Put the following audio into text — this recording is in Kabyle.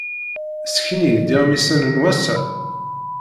Ssken-iyi-d iɣmisen n wass-a?